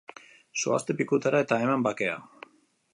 Zoazte pikutara eta eman bakea!